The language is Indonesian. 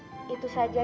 hai itu saja dari saya